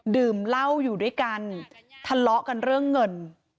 ดื่มเหล้าอยู่ด้วยกันทะเลาะกันเรื่องเงิน